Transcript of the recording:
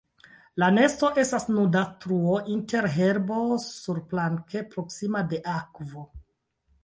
La nesto estas nuda truo inter herbo surplanke proksima de akvo.